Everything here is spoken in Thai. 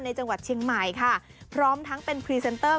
จังหวัดเชียงใหม่ค่ะพร้อมทั้งเป็นพรีเซนเตอร์